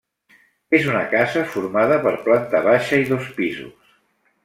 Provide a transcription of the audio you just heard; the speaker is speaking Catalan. És una casa formada per planta baixa i dos pisos.